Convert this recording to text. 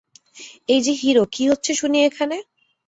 এই যে হিরো, কী হচ্ছে শুনি এখানে?